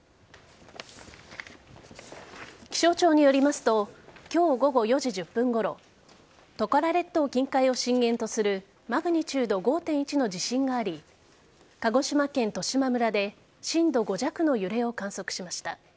気象庁によりますと今日午後４時１０分ごろトカラ列島近海を震源とするマグニチュード５．１の地震があり鹿児島県十島村で震度５弱の揺れを観測しました。